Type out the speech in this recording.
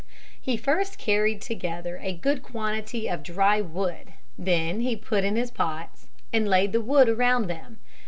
He first carried together a good quantity of dry wood, then he put in his pots and laid the wood around them.